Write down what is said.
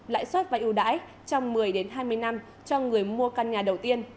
lãi suất và ưu đãi trong một mươi hai mươi năm cho người mua căn nhà đầu tiên